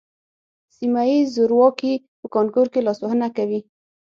سیمه ییز زورواکي په کانکور کې لاسوهنه کوي